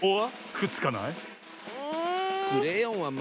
くっつかない！